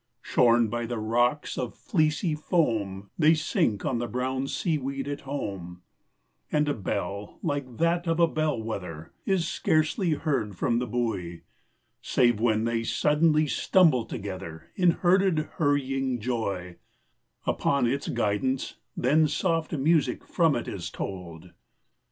Shorn by the rocks of fleecy foam, They sink on the brown seaweed at home; And a bell, like that of a bellwether, Is scarcely heard from the buoy Save when they suddenly stumble together, In herded hurrying joy, Upon its guidance: then soft music From it is tolled.